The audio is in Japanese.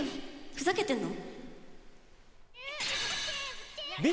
ふざけてんの？